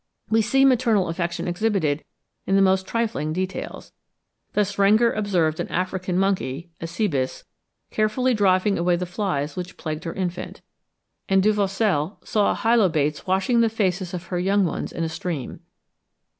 We see maternal affection exhibited in the most trifling details; thus Rengger observed an American monkey (a Cebus) carefully driving away the flies which plagued her infant; and Duvaucel saw a Hylobates washing the faces of her young ones in a stream.